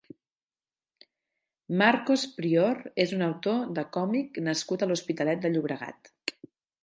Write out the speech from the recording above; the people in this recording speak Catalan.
Marcos Prior és un autor de còmic nascut a l'Hospitalet de Llobregat.